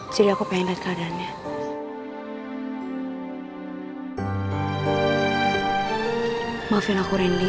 jadi aku pengen lihat keadaannya